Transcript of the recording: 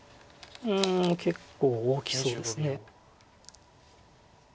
うん結構大きそうです。